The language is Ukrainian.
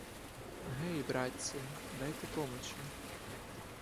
Гей, братці, дайте помочі!